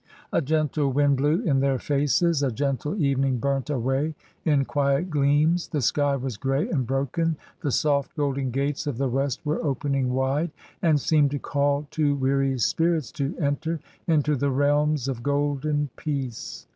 A gentle wind blew in their faces, a gentle even ing burnt away in quiet gleams, the sky was grey and broken, the soft golden gates of the west were opening wide, and seemed to call to weary spirits to enter into the realms of golden peace.